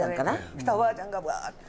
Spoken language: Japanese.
そしたらおばあちゃんがブワーッて。